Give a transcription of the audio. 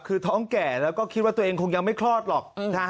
คือท้องแก่แล้วก็คิดว่าตัวเองคงยังไม่คลอดหรอก